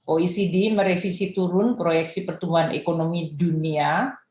oecd merevisi turun proyeksi pertumbuhan ekonomi dunia